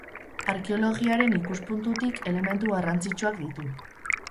Arkeologiaren ikuspuntutik elementu garrantzitsuak ditu.